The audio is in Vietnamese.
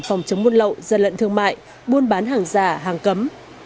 phòng chống buôn lậu gian lận thương mại buôn bán hàng giả hàng cấm